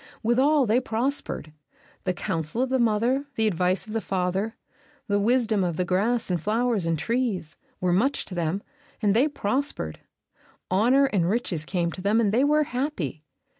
Withal, they prospered; the counsel of the mother, the advice of the father, the wisdom of the grass and flowers and trees, were much to them, and they prospered. Honor and riches came to them, and they were happy.